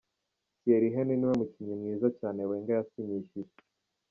Thierry Henry niwe mukinnyi mwiza cyane Wenger yasinyishije.